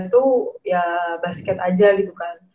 itu ya basket aja gitu kan